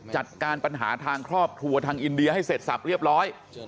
จัดการปัญหาทางครอบครัวทางอินเดียให้เสร็จสับเรียบร้อย